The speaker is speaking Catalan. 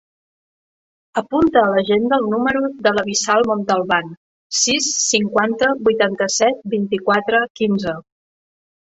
Apunta a l'agenda el número de la Wissal Montalban: sis, cinquanta, vuitanta-set, vint-i-quatre, quinze.